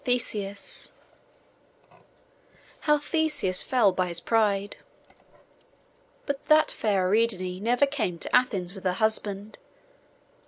PART IV HOW THESEUS FELL BY HIS PRIDE But that fair Ariadne never came to Athens with her husband.